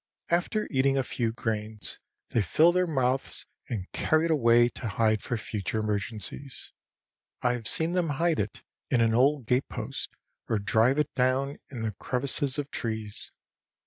After eating a few grains, they fill their mouths and carry it away to hide for future emergencies. I have seen them hide it in an old gatepost or drive it down in the crevices of trees.